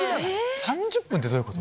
３０分ってどういうこと？